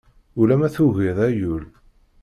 Ulamma tugid ay ul.